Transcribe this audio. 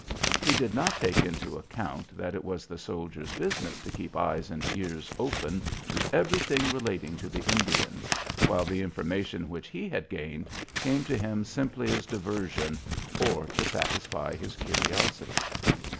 He did not take into account that it was the soldiers' business to keep eyes and ears open to everything relating to the Indians, while the information which he had gained came to him simply as diversion, or to satisfy his curiosity.